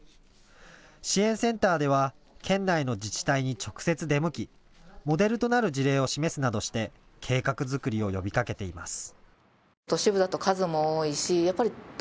支援センターでは県内の自治体に直接、出向きモデルとなる事例を示すなどして計画作りを呼びかけています。